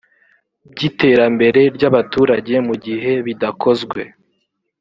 by iterambere ry abaturage mu gihe bidakozwe